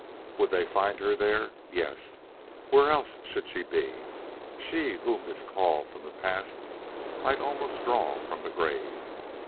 Would they find her there? Yes; where else should she be, she whom this call from the past might almost draw from the grave!